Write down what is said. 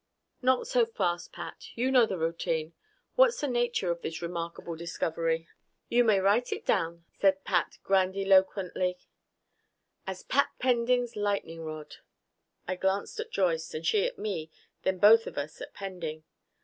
"Not so fast, Pat. You know the routine. What's the nature of this remarkable discovery?" "You may write it down," said Pat grandiloquently, "as Pat Pending's lightening rod." I glanced at Joyce, and she at me, then both of us at Pending.